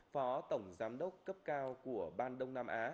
phó tổng giám đốc cấp cao của ban đông nam á